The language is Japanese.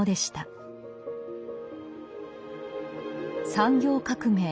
産業革命